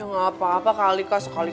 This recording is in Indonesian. ya gak apa apa kali kali